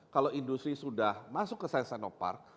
kalau industri sudah masuk ke science sino park